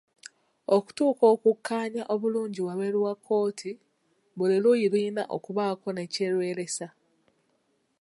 Okutuuka ku kukkaanya obulungi wabweru wa kkooti, buli luuyi lulina okubaako ne kye lweresa.